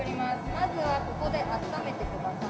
まずはここで温めてください。